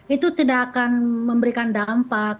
itu tidak akan memberikan dampak